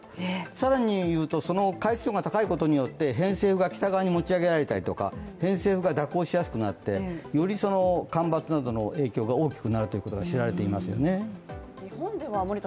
更に、海水温度が高いことによって偏西風が北側に持ち上げられたりとか、偏西風が蛇行しやすくなって、より干ばつなどの影響が大きくなることが知られていますよね